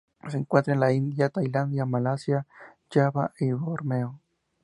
Se encuentra en la India, Tailandia, Malasia, Java y Borneo.